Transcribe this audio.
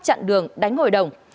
chặn đường đánh hội đồng